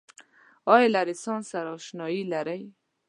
آیا له رنسانس سره اشنایې لرئ؟